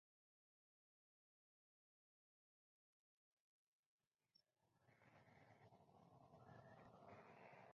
El filtro paso bajo para este uso concreto recibe el nombre de "filtro antialiasing".